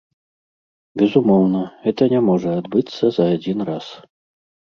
Безумоўна, гэта не можа адбыцца за адзін раз.